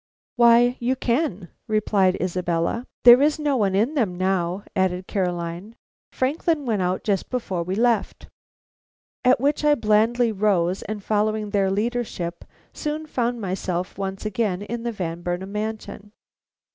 "Why, you can," replied Isabella. "There is no one in them now," added Caroline, "Franklin went out just before we left." At which I blandly rose, and following their leadership, soon found myself once again in the Van Burnam mansion.